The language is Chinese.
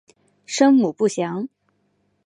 生母不详。